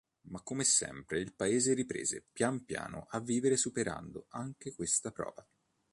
Ma come sempre il paese riprese pian piano a vivere superando anche questa prova.